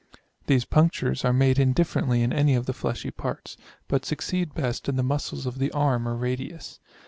These punctures are made indifferently in any of the fleshy parts, but succeed best in the muscles of the arm or radius.